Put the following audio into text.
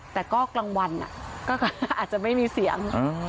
แต่ก็กลางวันก็อาจจะไม่มีเสียง